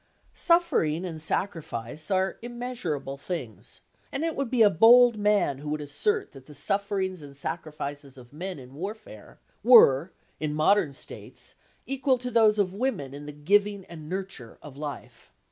Suffering and sacrifice are immeasurable things, and it would be a bold man who would assert that the sufferings and sacrifices of men in warfare were, in modern states, equal to those of women in the giving and nurture of life.